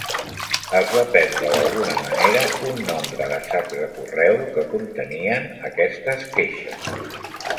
Es va perdre d'alguna manera un nombre de sacs de correu que contenien aquestes queixes.